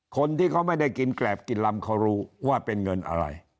คนที่เขาไม่ได้กินแกรบกินลำเขารู้ว่าเป็นเงินอะไร